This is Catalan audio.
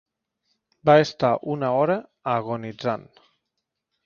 Va estar una hora agonitzant